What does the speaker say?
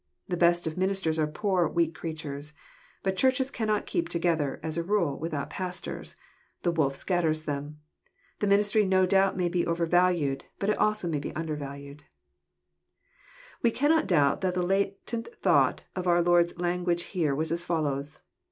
The best of ministers are poor, weak creatures. But Churches cannot keep together, as a rule, without pastors; the wolf scatters them. The ministry no doubt may be overvalued, but it may also be undervalued. We cannot doubt that the latent thought of our Lord's language here was as follows.